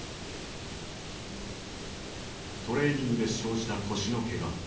トレーニングで生じた腰のけが。